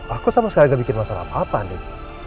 aku sama sekali gak bikin masalah apa apa nih